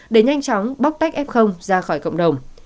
để nhanh chóng bóc tách f ra khỏi cộng đồng